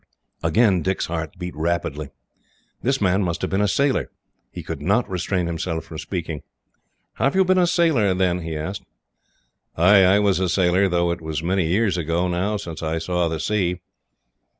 Again Dick's heart beat rapidly. This man must have been a sailor. He could not restrain himself from speaking. "Have you been a sailor, then?" he asked. "Ay, I was a sailor, though it is many years ago, now, since I saw the sea."